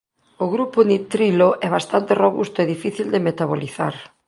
O grupo nitrilo é bastante robusto e difícil de metabolizar.